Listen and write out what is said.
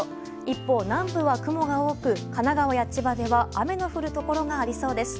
一方、南部は雲が多く神奈川や千葉では雨の降るところがありそうです。